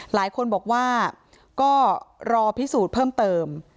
หลายคนบอกว่าก็รอพิสูจน์เพิ่มเติม